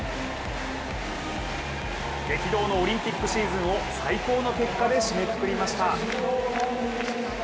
激動のオリンピックシーズンを最高の結果で締めくくりました。